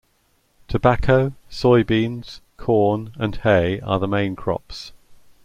Tobacco, soybeans, corn, and hay are the main crops.